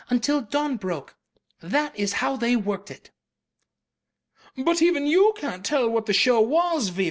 Until dawn broke. That is how they worked it." "But even you can't tell what the show was, V.